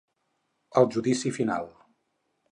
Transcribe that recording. El judici final.